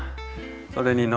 それに糊。